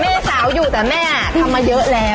แม่สาวอยู่แต่แม่ทำมาเยอะแล้ว